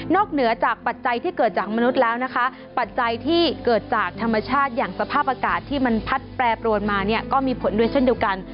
เหนือจากปัจจัยที่เกิดจากมนุษย์แล้วนะคะปัจจัยที่เกิดจากธรรมชาติอย่างสภาพอากาศที่มันพัดแปรปรวนมาเนี่ยก็มีผลด้วยเช่นเดียวกัน